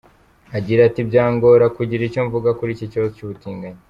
Agira ati “Byangora kugira icyo mvuga kuri iki kibazo cy’ubutinganyi.